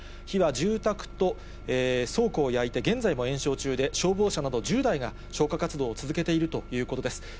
火は住宅と倉庫を焼いて、現在も延焼中で、消防車など１０台が消火活動を続けているということです。